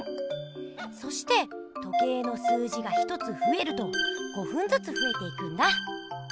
そして時計の数字が１つふえると５ふんずつふえていくんだ！